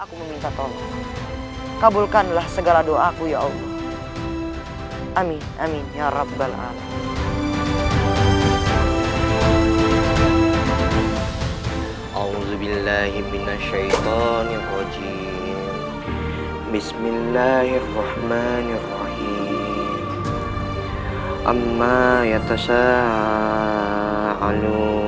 aku meminta tolong kabulkanlah segala doaku ya allah amin amin ya rabbal alamin